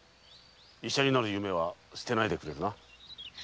医者になる夢は捨てないでくれるな？